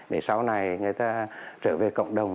để sau này người ta trở về cộng đồng